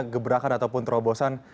gebrakan ataupun terobosan